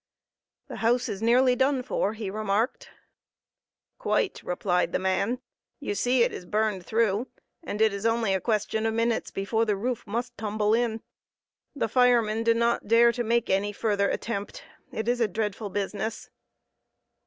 "The house is nearly done for," he remarked. "Quite," replied the man. "You see it is burned through, and it is only a question of minutes before the roof must tumble in. The firemen do not dare to make any further attempt. It is a dreadful business."